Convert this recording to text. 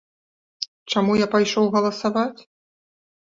Чаму я пайшоў галасаваць?